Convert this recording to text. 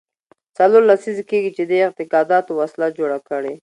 څلور لسیزې کېږي چې دې اعتقاداتو وسله جوړه کړې.